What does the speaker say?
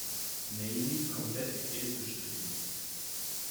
Navy komplett gelb gestrichen.